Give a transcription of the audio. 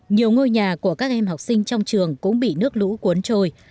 nhiều ngôi nhà của các em học sinh trong trường cũng bị nước lũ cuốn trôi